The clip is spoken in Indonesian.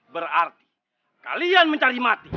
berarti kalian mencari mati